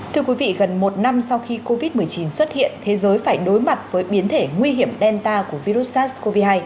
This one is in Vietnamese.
thưa quý vị gần một năm sau khi covid một mươi chín xuất hiện thế giới phải đối mặt với biến thể nguy hiểm đen ta của virus sars cov hai